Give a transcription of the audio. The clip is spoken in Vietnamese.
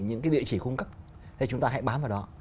những cái địa chỉ khung cấp thế chúng ta hãy bám vào đó